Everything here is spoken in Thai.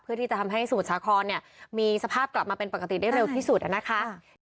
เพื่อที่จะทำให้สมุทรสาครเนี่ยมีสภาพกลับมาเป็นปกติได้เร็วที่สุดนะคะ